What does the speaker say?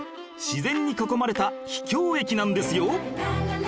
自然に囲まれた秘境駅なんですよ